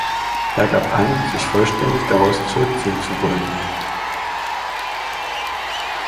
Er gab an, sich vollständig daraus zurückziehen zu wollen.